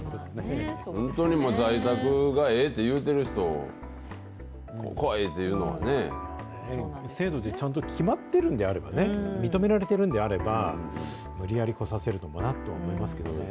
本当に在宅がええって言うてる人を、制度でちゃんと決まってるんであればね、認められてるんであれば、無理やり来させるのもなと思いますけどね。